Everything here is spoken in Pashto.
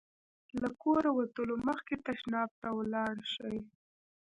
له کوره وتلو مخکې تشناب ته ولاړ شئ.